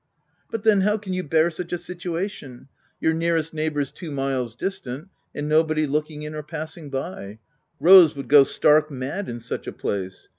" But then, how can you bear such a situation — your nearest neighbours two miles distant, and nobody looking in or passing by ?— Rose would go stark mad in such a place.